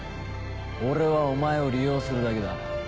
俺はお前を利用するだけだ。